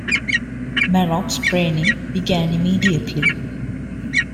Mannock's training began immediately.